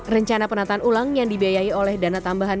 rencana penataan ulang yang dibiayai oleh dana tambahan